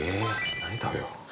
何食べよう？